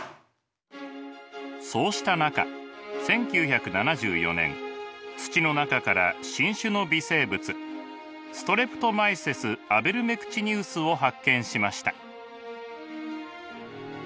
そうした中１９７４年土の中から新種の微生物ストレプトマイセス・アベルメクチニウスを発見しました。